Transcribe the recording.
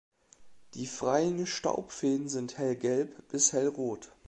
Die freien Staubfäden sind hellgelb bis hellrot.